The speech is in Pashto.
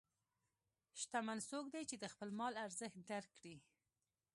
شتمن څوک دی چې د خپل مال ارزښت درک کړي.